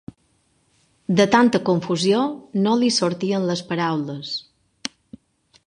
De tanta confusió no li sortien les paraules.